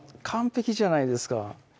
完璧じゃないですか